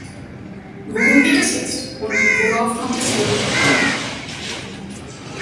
Worum geht es jetzt, und worauf kommt es wirklich an?